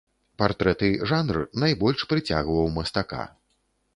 Партрэты жанр найбольш прыцягваў мастака.